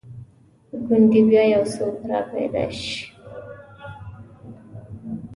ګوندې بیا یو څوک را پیدا شي.